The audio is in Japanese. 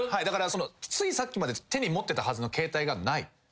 だからついさっきまで手に持ってたはずの携帯がない。